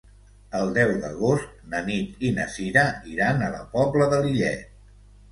El deu d'agost na Nit i na Cira iran a la Pobla de Lillet.